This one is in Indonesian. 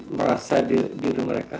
merasa diri mereka